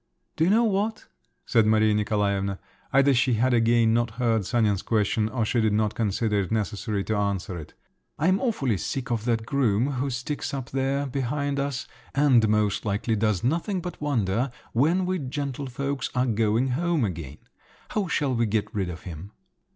"Do you know what," said Maria Nikolaevna; either she had again not heard Sanin's question, or she did not consider it necessary to answer it. "I'm awfully sick of that groom, who sticks up there behind us, and most likely does nothing but wonder when we gentlefolks are going home again. How shall we get rid of him?"